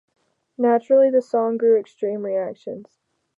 Naturally, the song grew extreme reactions.